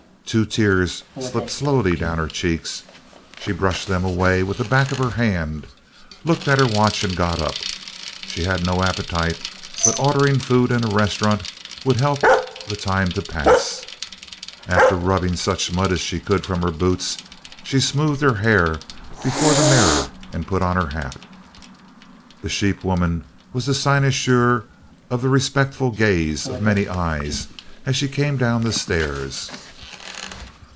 Two tears slipped slowly down her cheeks. She brushed them away with the back of her hand, looked at her watch, and got up. She had no appetite, but ordering food in a restaurant would help the time to pass. After rubbing such mud as she could from her boots, she smoothed her hair before the mirror and put on her hat. The sheep woman was the cynosure of the respectful gaze of many eyes as she came down the stairs.